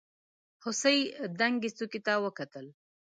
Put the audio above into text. هوسۍ دنګې څوکې ته وکتل.